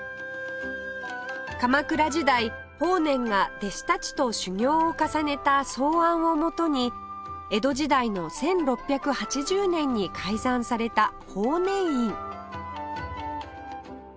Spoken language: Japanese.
鎌倉時代法然が弟子たちと修行を重ねた草庵をもとに江戸時代の１６８０年に開山された法然院